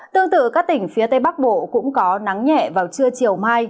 tương tự các tỉnh phía tây bắc bộ cũng có nắng nhẹ vào trưa chiều mai